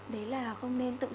đấy là không nên tự sửa